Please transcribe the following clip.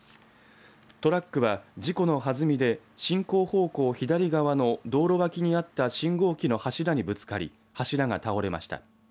トラックは事故のはずみで進行方向左側の道路脇にあった信号機の柱にぶつかり柱が倒れました。